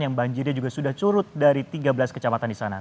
yang banjirnya juga sudah curut dari tiga belas kecamatan di sana